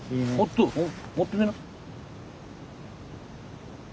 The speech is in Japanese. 持ってみな。